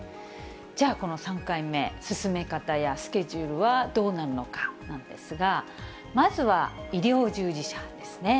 じゃあこの３回目、進め方やスケジュールはどうなるのかなんですが、まずは医療従事者ですね。